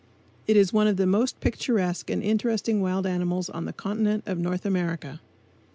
It is one of the most picturesque and interesting wild animals on the continent of North America.